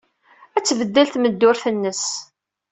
Ad tbeddel tmeddurt-nnes.